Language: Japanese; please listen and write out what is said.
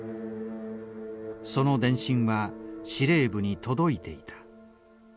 その電信は司令部に届いていた。